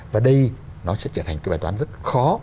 và đây nó sẽ trở thành cái bài toán rất khó